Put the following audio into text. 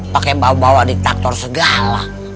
pakai bau bau diktator segala